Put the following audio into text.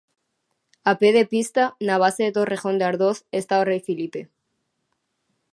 A pé de pista, na base de Torrejón de Ardoz, está o rei Filipe.